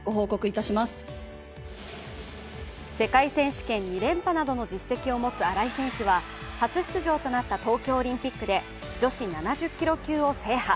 世界選手権２連覇などの実績を持つ新井選手は初出場となった東京オリンピックで女子７０キロ級を制覇。